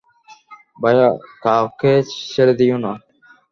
ভাইয়া, কাউকে ছেড়ে দিও না।